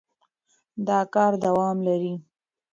دا کار دوام لري.